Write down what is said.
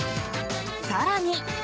更に。